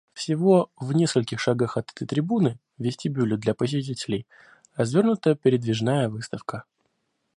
Всего в нескольких шагах от этой трибуны — в вестибюле для посетителей — развернута передвижная выставка.